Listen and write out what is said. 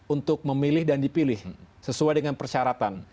untuk memilih dan dipilih sesuai dengan persyaratan